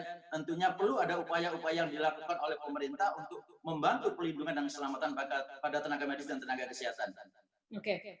tentunya perlu ada upaya upaya yang dilakukan oleh pemerintah untuk membantu pelindungan dan keselamatan pada tenaga medis dan tenaga kesehatan